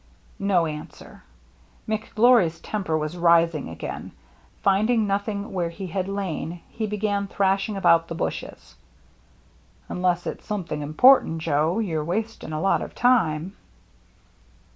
No answer. McGlory*s temper was rising again. Finding nothing where he had lain, he began thrashing about the bushes. " Unless it's something important, Joe, you're wasting a lot of time."